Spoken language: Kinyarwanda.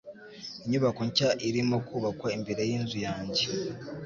Inyubako nshya irimo kubakwa imbere yinzu yanjye.